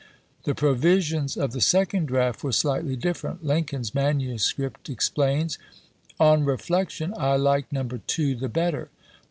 The provisions of ms. the second draft were slightly different. Lincoln's manuscript explains :" On reflection I like No. 2 the better.